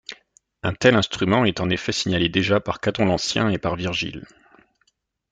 Un tel instrument est en effet signalé déjà par Caton l'Ancien et par Virgile.